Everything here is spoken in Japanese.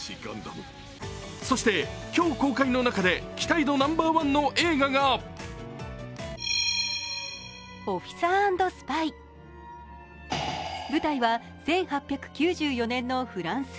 そして今日公開の中で期待度ナンバーワンの映画が舞台は１８９４年のフランス。